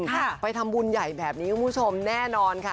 ค่ะไปทำบุญใหญ่แบบนี้คุณผู้ชมแน่นอนค่ะ